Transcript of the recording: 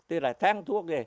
tức là tán thuốc